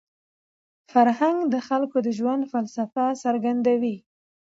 فرهنګ د خلکو د ژوند فلسفه څرګندوي.